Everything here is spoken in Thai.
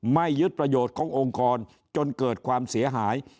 ไม่ยึดประโยชน์ขององค์กรจนเกิดความเสียหาย